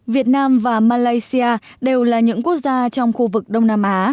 việt nam và malaysia đều là những quốc gia trong khu vực đông nam á